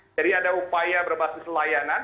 jadi ada upaya berbasis layanan